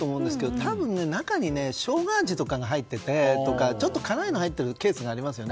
多分、中にしょうが味とかが入ってとかちょっと辛いのが入ってるケースがありますよね。